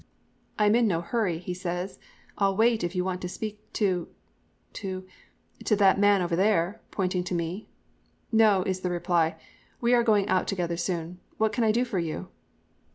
"'I am in no hurry,' he says. 'I'll wait if you want to speak to to to that man over there,' pointing to me. "'No,' is the reply. 'We are going out together soon. What can I do for you?'